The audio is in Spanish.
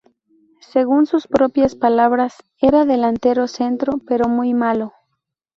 Según sus propias palabras "era delantero centro, pero muy malo".